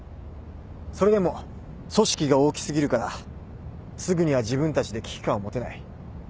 それでも組織が大きすぎるからすぐには自分たちで危機感を持てない。